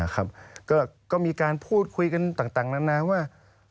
ก็มีการพูดคุยกันต่างนานาว่า